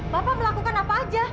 bapak melakukan apa saja